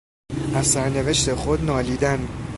از سرنوشت خود نالیدن